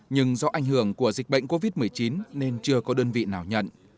nhưng do ảnh hưởng của dịch bệnh covid một mươi chín nên chưa có đơn vị nào nhận